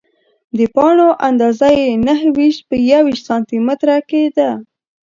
د پاڼو اندازه یې نهه ویشت په یوویشت سانتي متره کې ده.